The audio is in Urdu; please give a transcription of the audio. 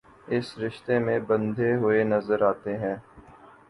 اس رشتے میں بندھے ہوئے نظرآتے ہیں